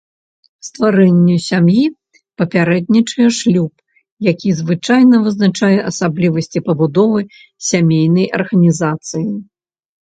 Стварэнню сям'і папярэднічае шлюб, які звычайна вызначае асаблівасці пабудовы сямейнай арганізацыі.